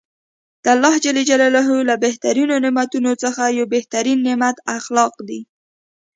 د الله ج له بهترینو نعمتونوڅخه یو بهترینه نعمت اخلاق دي .